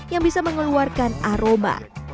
yang bisa mengeluarkan aroma